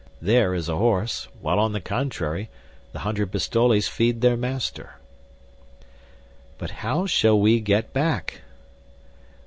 There is a horse, while on the contrary, the hundred pistoles feed their master." "But how shall we get back?"